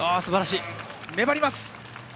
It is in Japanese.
粘ります。